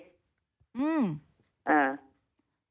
อืม